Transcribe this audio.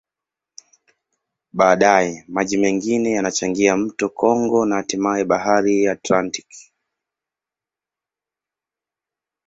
Baadaye, maji mengine yanachangia mto Kongo na hatimaye Bahari ya Atlantiki.